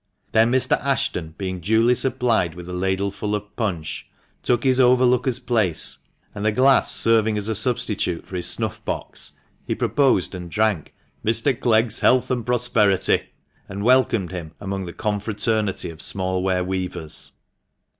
Then Mr. Ashton, being duly supplied with a ladleful of punch, took his overlooker's place, and, the glass THE MANCHESTER MAN. 265 serving as a substitute for his snuff box, he proposed and drank " Mr. Clegg's health and prosperity," and welcomed him among the confraternity of small ware weavers.